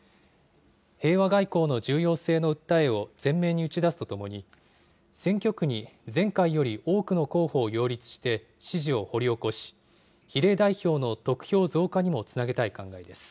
平和外交の重要性の訴えを前面に打ち出すとともに、選挙区に前回より多くの候補を擁立して、支持を掘り起こし、比例代表の得票増加にもつなげたい考えです。